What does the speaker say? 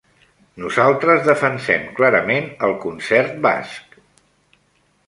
Nosaltres defensem clarament el concert basc.